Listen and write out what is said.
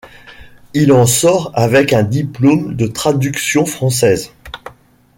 Il en sort avec un diplôme de traduction française.